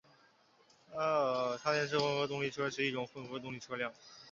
插电式混合动力车是一种混合动力车辆。